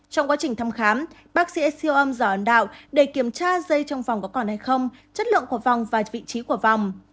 trong quá trình thăm khám bác sĩ siêu âm giò ấn đạo để kiểm tra dây trong vòng có còn hay không chất lượng của vòng và vị trí của vòng